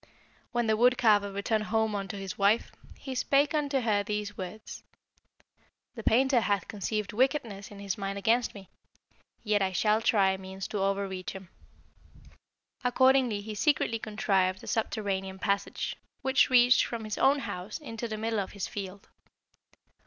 "When the wood carver returned home unto his wife, he spake unto her these words: 'The painter hath conceived wickedness in his mind against me; yet I shall try means to overreach him.' "Accordingly he secretly contrived a subterranean passage, which reached from his own house into the middle of his field.